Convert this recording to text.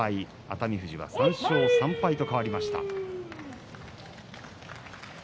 熱海富士は３勝３敗と変わりました。